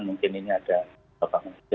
mungkin ini ada bapak mungkin